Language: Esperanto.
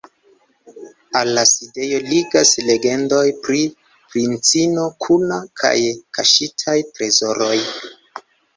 Al la sidejo ligas legendoj pri princino Kuna kaj kaŝitaj trezoroj.